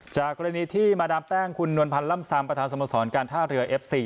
จากกรณีที่มาดามแป้งคุณนวลพันธ์ล่ำซำประธานสมสรการท่าเรือเอฟซี